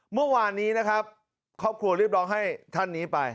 เมื่อวานนี้นะครับครอบครัวเรียกร้องให้ท่านนี้ไป